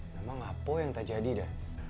namanya apa yang tak jadi da